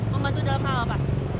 membantu dalam hal apa